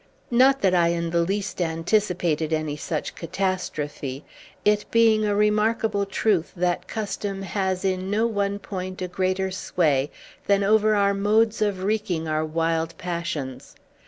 Not that I in the least anticipated any such catastrophe, it being a remarkable truth that custom has in no one point a greater sway than over our modes of wreaking our wild passions.